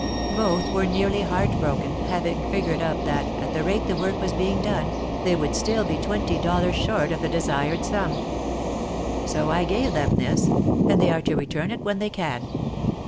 Both were nearly heartbroken, having figured up that, at the rate the work was being done, they would still be twenty dollars short of the desired sum. So I gave them this, and they are to return it when they can.